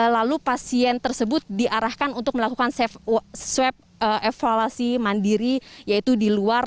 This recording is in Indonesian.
lalu pasien tersebut diarahkan untuk melakukan swab evaluasi mandiri yaitu di luar